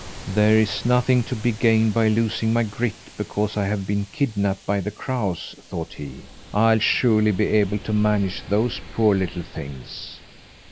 "There is nothing to be gained by losing my grit because I have been kidnapped by the crows," thought he. "I'll surely be able to manage those poor little things."